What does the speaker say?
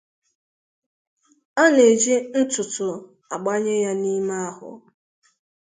A na eji ntụtụ agbanye ya n'ime ahụ.